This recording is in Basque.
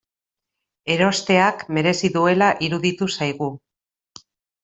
Erosteak merezi duela iruditu zaigu.